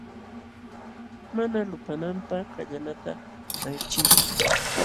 Mana lupananpaq kallanata aychinki.